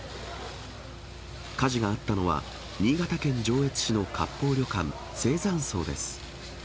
火事があったのは、新潟県上越市の割烹旅館晴山荘です。